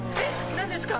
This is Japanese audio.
何ですか？